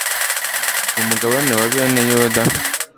mu mugabane wa bene yuda